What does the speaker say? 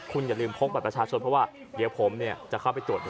คุณอย่าลืมพกบัตรประชาชนเพราะว่าเดี๋ยวผมจะเข้าไปตรวจ